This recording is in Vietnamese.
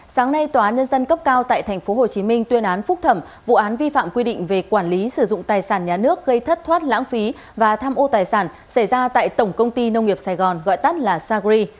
sáng nay tòa nhân dân cấp cao tại tp hcm tuyên án phúc thẩm vụ án vi phạm quy định về quản lý sử dụng tài sản nhà nước gây thất thoát lãng phí và tham ô tài sản xảy ra tại tổng công ty nông nghiệp sài gòn gọi tắt là sagri